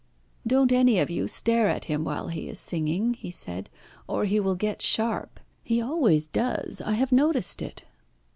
"Don't any of you stare at him while he is singing," he said, "or he will get sharp. He always does; I have noticed it."